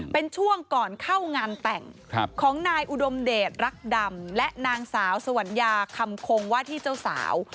เป็นช่วงก่อนเข้างานแต่งของนายอุดมเดชรักดำและนางสาวสวัญญาคำคงว่าที่เจ้าสาว